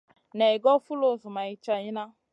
Naï goy foulou zoumay tchaïna.